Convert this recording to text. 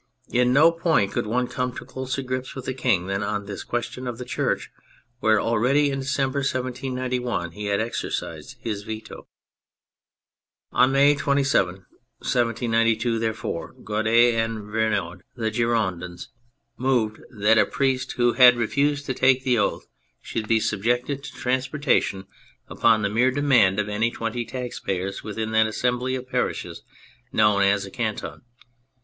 In no point could one come to closer grips with the King than on this question of the Church, where already, in December 1791, he had exercised his veto. On May 27, 1792, therefore, Guadet and Vergniaud, the Girondins, moved that a priest 250 THE FRENCH REVOLUTION who had refused to take the oath should be subjected to transportation upon the mere demand of any twenty taxpayers within that assembly of parishes known as a " Canton."